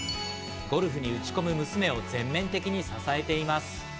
ゴルフに打ち込む娘を全面的に支えています。